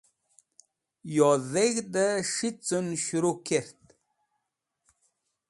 Yo dheg̃hdẽ s̃hicẽn s̃hẽru k̃htk.